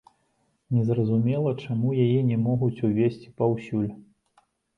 Незразумела, чаму яе не могуць увесці паўсюль.